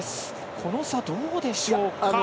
この差、どうでしょうか。